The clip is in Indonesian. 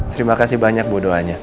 terima kasih banyak bu doanya